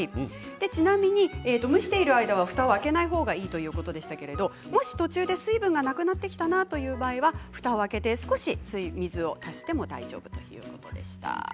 ちなみに蒸している間はふたを開けないほうがいいということでしたが、もし途中で水分がなくなってきたなという場合はふたを開けて少し水を足しても大丈夫ということでした。